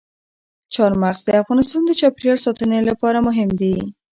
چار مغز د افغانستان د چاپیریال ساتنې لپاره مهم دي.